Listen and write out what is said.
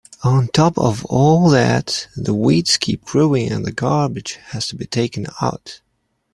On top of all that, the weeds keep growing and the garbage has to be taken out.